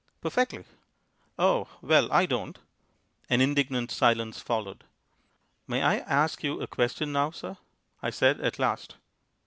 "Perfectly." "Oh! Well, I don't." An indignant silence followed. "May I ask you a question now, sir?" I said at last.